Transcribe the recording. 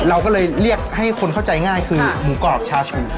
เราก็เลยเรียกให้คนเข้าใจง่ายคือหมูกรอบชาชู